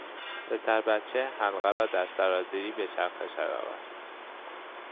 پسر بچه حلقه را در سرازیری به چرخش درآورد.